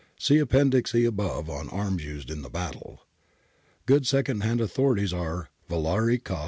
See Appendix E above, on arms used in the battle. Good second hand authorities are Villari, Cosp.